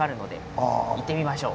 行ってみましょう。